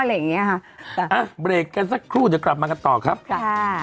อะไรอย่างเงี้ยค่ะอ่ะเบรกกันสักครู่เดี๋ยวกลับมากันต่อครับค่ะ